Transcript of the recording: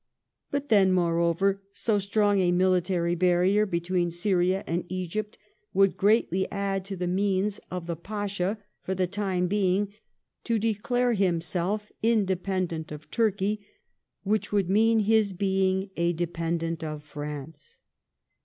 But then, moreover, so strong a military barrier between Syria and Egypt would greatly add to the means of the Pasha for the time being to declare himself independent of Turkey, which would mean his being a dependent of France.